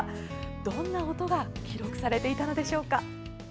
どんな音が記録されていたのでしょうか？